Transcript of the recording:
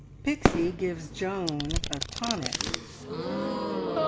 PIXIE GIVES JOAN A TONIC.